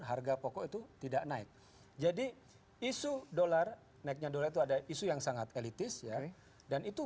harga pokok itu tidak naik jadi isu dolar naiknya dolar itu ada isu yang sangat elitis ya dan itu